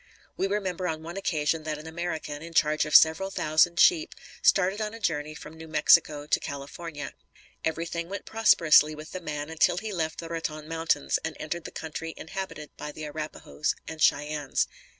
We remember on one occasion that an American, in charge of several thousand sheep, started on a journey from New Mexico to California. Everything went prosperously with the man until he left the Raton Mountains and entered the country inhabited by the Arrapahoes and Cheyennes.